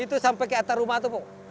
itu sampai ke akar rumah itu bu